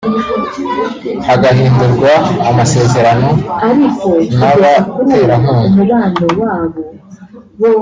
hagahindurwa amasezerano n’abaterankunga